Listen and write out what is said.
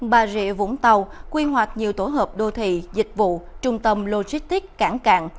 bà rịa vũng tàu quy hoạch nhiều tổ hợp đô thị dịch vụ trung tâm logistic cảng càng